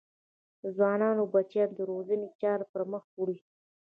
د ځوانو بچیانو د روزنې چارې پر مخ ویوړې.